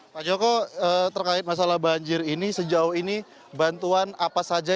pak joko terkait masalah banjir ini sejauh ini bantuan apa saja